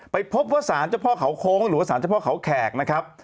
ไปพบว่าสารเจ้าพ่อเขาโค้งหรือว่าสารเจ้าพ่อเขาแขกนะครับ